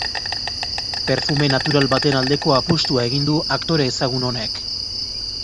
Perfume natural baten aldeko apustua egin du aktore ezagun honek.